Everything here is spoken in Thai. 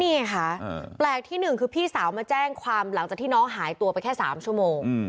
นี่ไงค่ะแปลกที่หนึ่งคือพี่สาวมาแจ้งความหลังจากที่น้องหายตัวไปแค่๓ชั่วโมง